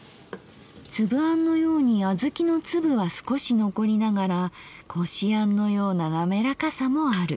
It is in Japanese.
「つぶあん」のようにあずきの粒は少し残りながら「こしあん」のような滑らかさもある。